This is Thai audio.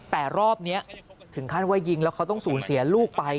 แต่รอบนี้ถึงขั้นว่ายิงแล้วเขาต้องสูญเสียลูกไป